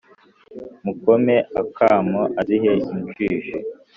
mukome akamo azihe injishi